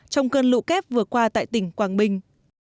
trong cơn lũ kép vừa qua tại tỉnh quảng bình